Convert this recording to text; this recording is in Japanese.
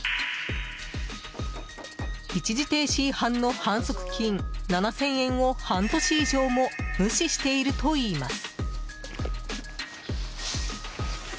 一時停止違反の反則金７０００円を半年以上も無視しているといいます。